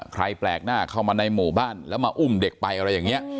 ใครแปลกหน้าเข้ามาในหมู่บ้านแล้วมาอุ้มเด็กไปอะไรอย่างนี้